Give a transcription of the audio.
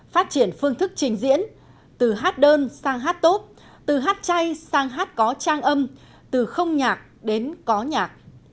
phát triển phương thức trình diễn từ hát đơn sang hát tốt từ hát chay sang hát có trang âm từ không nhạc đến có nhạc